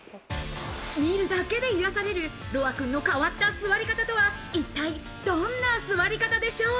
見るだけで癒されるロアくんの変わった座り方とは一体どんな座り方でしょう？